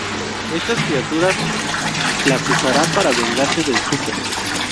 Estas criaturas las usará para vengarse del Súper.